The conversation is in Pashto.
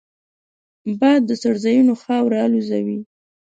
باد د څړځایونو خاوره الوزوي